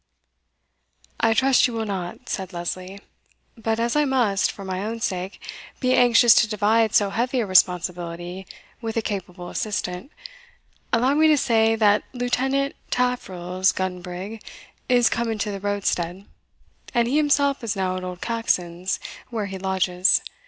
"I trust you will not," said Lesley; "but as I must, for my own sake, be anxious to divide so heavy a responsibility with a capable assistant, allow me to say, that Lieutenant Taffril's gun brig is come into the roadstead, and he himself is now at old Caxon's, where he lodges.